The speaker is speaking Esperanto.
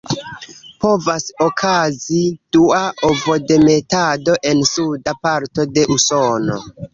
Povas okazi dua ovodemetado en suda parto de Usono.